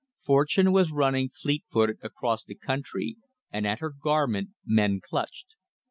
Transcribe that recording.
Fortune was running fleet footed across the country, and at her garment men clutched.